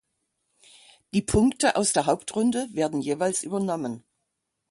Die Punkte aus der Hauptrunde werden jeweils übernommen.